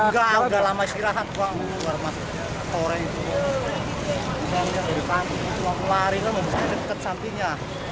enggak udah lama istirahat